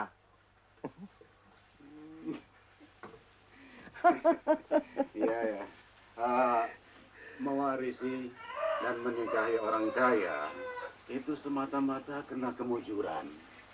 hahaha iya ya ha mewarisi dan menikahi orang kaya itu semata mata kena kemujuran